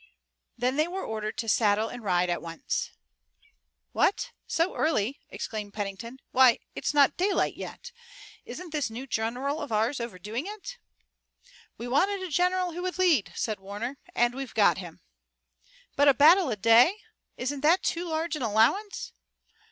Then they were ordered to saddle and ride at once. "What, so early?" exclaimed Pennington. "Why, it's not daylight yet. Isn't this new general of ours overdoing it?" "We wanted a general who would lead," said Warner, "and we've got him." "But a battle a day! Isn't that too large an allowance?"